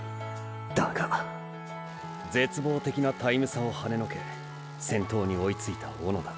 だが絶望的なタイム差をはねのけ先頭に追いついた小野田。